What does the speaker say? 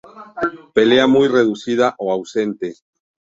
Pálea muy reducida o ausente.